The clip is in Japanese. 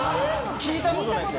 聞いたことないですよ